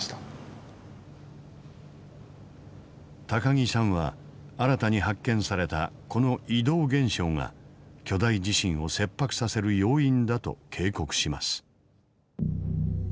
木さんは新たに発見されたこの移動現象が巨大地震を切迫させる要因だと警告します。